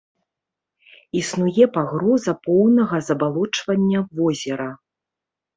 Існуе пагроза поўнага забалочвання возера.